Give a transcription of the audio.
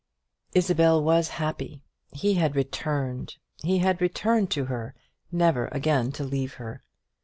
Isabel was happy. He had returned; he had returned to her; never again to leave her!